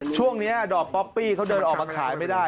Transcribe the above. ช่วงนี้ดอกป๊อปปี้เขาเดินออกมาขายไม่ได้